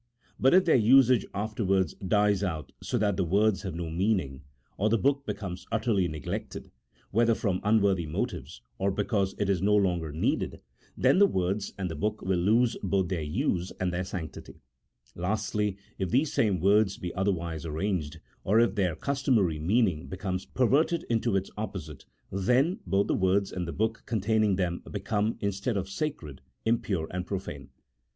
But if their usage afterwards dies out so that the words have no meaning, or the book becomes utterly neglected, whether from unworthy motives, or because it is no longer needed, then the words and the book will lose both their use and their sanctity : lastly, if these same words be otherwise arranged, or if their cus tomary meaning becomes perverted into its opposite, then both the words and the book containing them become, instead of sacred, impure and profane.